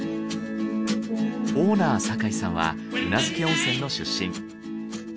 オーナー酒井さんは宇奈月温泉の出身。